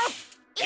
え！